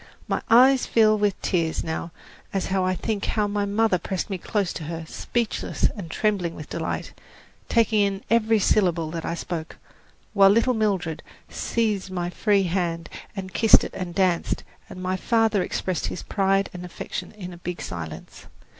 My eyes fill with tears now as I think how my mother pressed me close to her, speechless and trembling with delight, taking in every syllable that I spoke, while little Mildred seized my free hand and kissed it and danced, and my father expressed his pride and affection in a big silence.